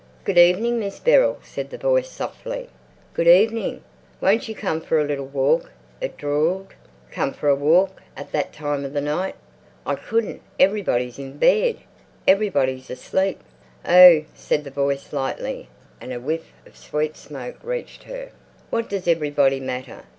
"Good evening, Miss Beryl," said the voice softly. "Good evening." "Won't you come for a little walk?" it drawled. Come for a walk—at that time of night! "I couldn't. Everybody's in bed. Everybody's asleep." "Oh," said the voice lightly, and a whiff of sweet smoke reached her. "What does everybody matter?